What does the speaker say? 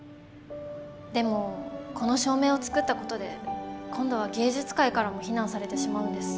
でもこの照明を作ったことで今度は芸術界からも非難されてしまうんです。